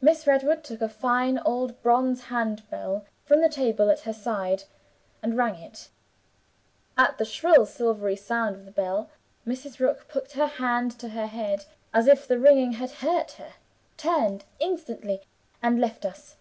Miss Redwood took a fine old bronze hand bell from the table at her side, and rang it. At the shrill silvery sound of the bell, Mrs. Rook put her hand to her head as if the ringing had hurt her turned instantly, and left us.